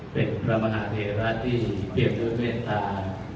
เป็นพระมหาเทระที่เปรียบด้วยเมตตา